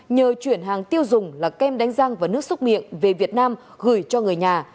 nhờ chuyển hàng tiêu dùng là kem đánh răng và nước xúc miệng về việt nam gửi cho người nhà